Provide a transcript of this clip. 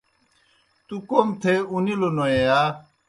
تُوْ کوْم تھے اُنِلوْنوئے یا؟